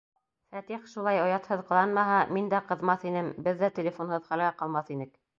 Фәтих шулай оятһыҙ ҡыланмаһа, мин дә ҡыҙмаҫ инем, беҙ ҙә телефонһыҙ хәлгә ҡалмаҫ инек.